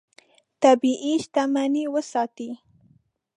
طبیعي شتمنۍ وساتې.